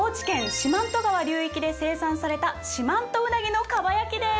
四万十川流域で生産された四万十うなぎの蒲焼です。